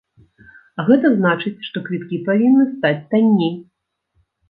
А гэта значыць, што квіткі павінны стаць танней.